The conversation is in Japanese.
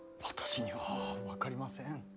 私には分かりません。